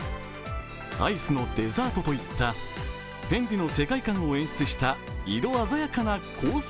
アイスのデザートと行ったＦＥＮＤＩの世界観を演出した色鮮やかなコース